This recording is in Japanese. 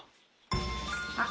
あっ。